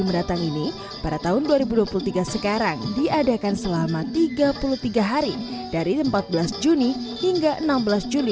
mendatang ini pada tahun dua ribu dua puluh tiga sekarang diadakan selama tiga puluh tiga hari dari empat belas juni hingga enam belas juli